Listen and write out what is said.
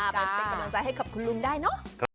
ไปเป็นกำลังใจให้กับคุณลุงได้เนอะ